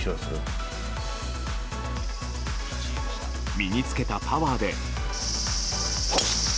身に着けたパワーで。